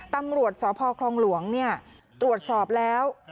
ตำรวจสพคลองหลวงตรวจสอบแล้ว